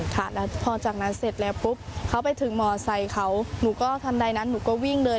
ค่ะแล้วพอจากนั้นเสร็จแล้วปุ๊บเขาไปถึงมอไซค์เขาหนูก็ทันใดนั้นหนูก็วิ่งเลย